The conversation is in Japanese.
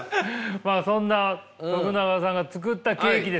まあそんな永さんが作ったケーキですかこちらが。